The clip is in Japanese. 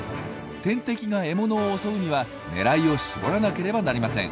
天敵が獲物を襲うには狙いを絞らなければなりません。